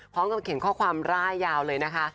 พร้อมกับเขียนข้อความร่ายยาวเลยนะคะ